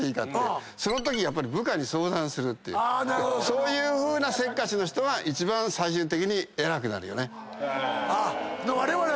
そういうせっかちの人は一番最終的に偉くなるよね。